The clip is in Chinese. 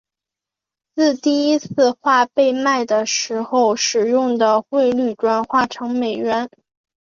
自第一次画被卖的时候使用的汇率转换成美元。